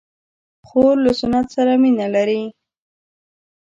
خور له سنت سره مینه لري.